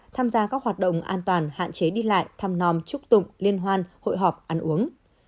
tham gia các hoạt động an toàn hạn chế đi lại thăm non chúc tụng liên hoan hội họp ăn uống